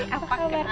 hai tante karina